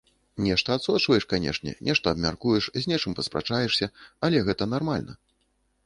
Нешта адсочваеш, канешне, нешта абмяркуеш, з нечым паспрачаешся, але гэта нармальна.